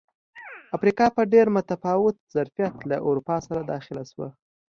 افریقا په ډېر متفاوت ظرفیت له اروپا سره داخله شوه.